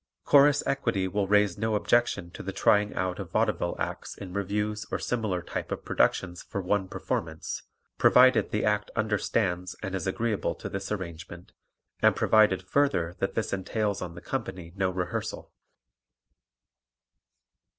Chorus Equity will raise no objection to the trying out of vaudeville acts in revues or similar type of productions for one performance, provided the act understands and is agreeable to this arrangement and provided, further, that this entails on the company no rehearsal.